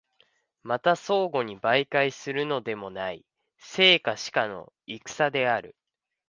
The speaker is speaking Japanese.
また相互に媒介するのでもない、生か死かの戦である。